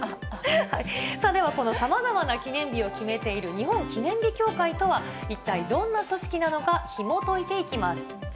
では、このさまざまな記念日を決めている、日本記念日協会とは一体どんな組織なのか、ひもといていきます。